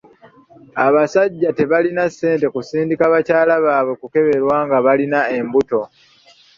Abasajja tebalina ssente kusindika bakyala baabwe kukeberebwa nga balina embuto.